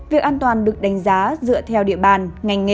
việc an toàn được đánh giá dựa theo địa bàn ngành nghề